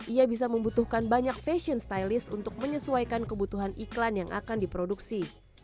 ia bisa membutuhkan banyak fashion stylist untuk menyesuaikan kebutuhan iklan yang akan diproduksi